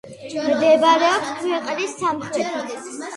მდებარეობს ქვეყნის სამხრეთით.